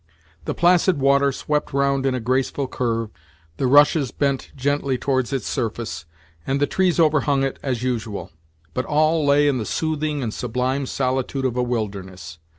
The placid water swept round in a graceful curve, the rushes bent gently towards its surface, and the trees overhung it as usual; but all lay in the soothing and sublime solitude of a wilderness.